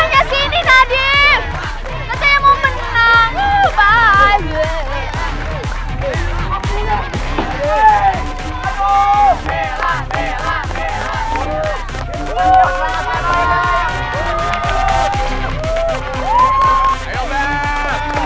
jangan main curang dan kepala batu